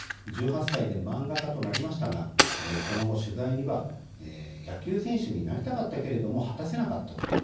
１８歳で漫画家となりましたがその後、取材には野球選手になりたかったけれども果たせなかった。